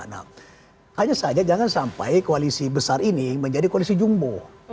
nah hanya saja jangan sampai koalisi besar ini menjadi koalisi jumbo